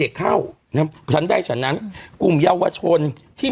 อืมอืมอืมอืมอืมอืม